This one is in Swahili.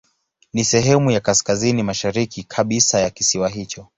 Ni sehemu ya kaskazini mashariki kabisa ya kisiwa hicho.